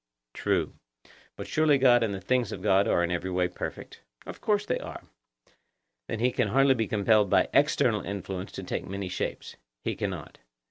True. But surely God and the things of God are in every way perfect? Of course they are. Then he can hardly be compelled by external influence to take many shapes? He cannot.